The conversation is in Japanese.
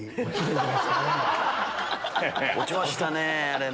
落ちましたねあれ。